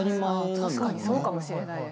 確かにそうかもしれないです。